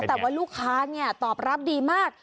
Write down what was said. แต่ว่าลูกค้าเนี่ยตอบรับดีมาก